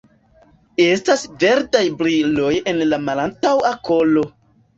Estas verdaj briloj en la malantaŭa kolo.